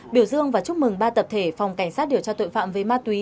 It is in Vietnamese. biểu dương và chúc mừng ba tập thể phòng cảnh sát điều tra tội phạm về ma túy